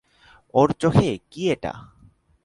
ওর চোখে কী এটা?